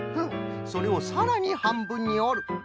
それをさらにはんぶんにおる。